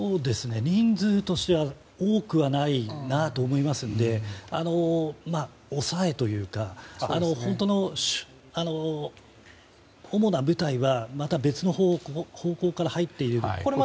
人数としては多くはないなと思いますので抑えというか本当の主な部隊はまた別の方向から入っている。